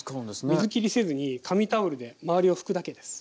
水きりせずに紙タオルで周りを拭くだけです。